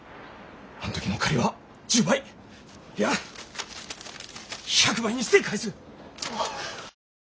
あん時の借りは１０倍いや１００倍にして返す。